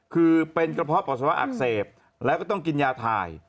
คือเป็นกระเพาะปัสสาวะอักเสบแล้วก็ต้องกินยาถ่าย